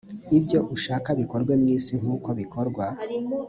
ibyo ushaka bikorwe mu isi nk uko bikorwa